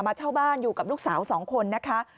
เช่าบ้านอยู่กับลูกสาว๒คนนะคะ